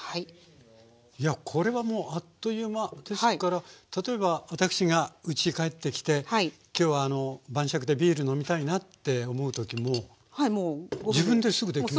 これはもうあっという間ですから例えば私がうちへ帰ってきて今日は晩酌でビール飲みたいなって思う時も自分ですぐできます？